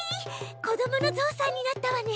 子どものゾウさんになったわね。